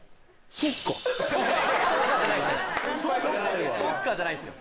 そっかじゃないですよ